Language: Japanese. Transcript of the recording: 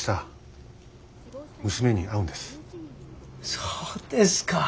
そうですか。